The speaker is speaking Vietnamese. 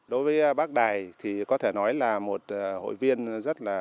đối với bác đài thì có thể nói là một hội viên rất là